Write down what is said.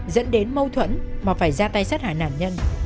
dẫn đến mâu thuẫn mà phải ra tay sát hại nạn nhân